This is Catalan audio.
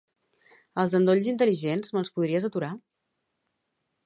Els endolls intel·ligents, me'ls podries aturar?